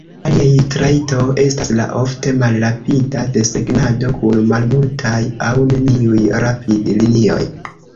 Alia trajto estas la ofte "malrapida" desegnado, kun malmultaj aŭ neniuj rapid-linioj.